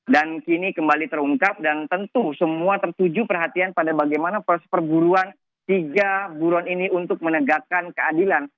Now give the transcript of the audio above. dan kini kembali terungkap dan tentu semua tertuju perhatian pada bagaimana perburuan tiga burun ini untuk menegakkan keadilan